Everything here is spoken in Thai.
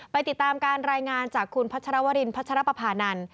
ติดตามการรายงานจากคุณพัชรวรินพัชรปภานันท